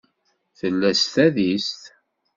Tella s tadist.